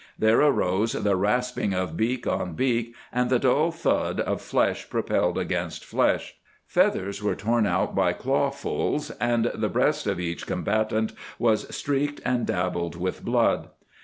There arose the rasping of beak on beak and the dull thud of flesh propelled against flesh. Feathers were torn out by clawfuls, and the breast of each combatant was streaked and dabbled with blood.